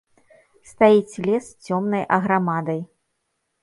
Стаіць лес цёмнай аграмадай.